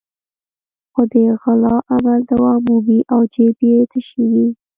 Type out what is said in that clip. خو د غلا عمل دوام مومي او جېب یې تشېږي.